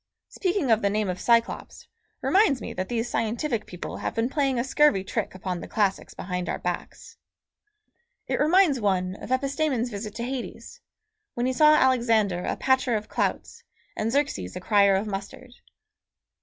Speaking of the name of Cyclops reminds me that these scientific people have been playing a scurvy trick upon the classics behind our backs. It reminds one of Epistemon's visit to Hades, when he saw Alexander a patcher of clouts and Xerxes a crier of mustard.